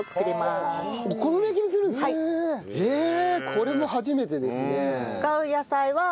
これも初めてですね。